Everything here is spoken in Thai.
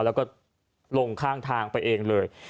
แล้วก็ลงข้างทางไปเองเลย